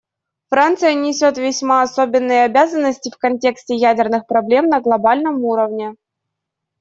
Франция несет весьма особенные обязанности в контексте ядерных проблем на глобальном уровне.